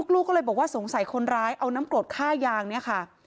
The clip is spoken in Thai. ลูกก็เลยบอกว่าสงสัยคนร้ายเอาน้ำกรดฆ่ายางเนี่ยค่ะ